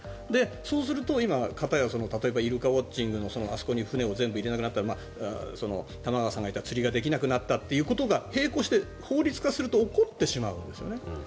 そうすると今、片や例えば、イルカウォッチングのあそこに船を全部行けなくなった玉川さんが言った釣りができなくなったってことが並行して法律化すると起こってしまうんですよね。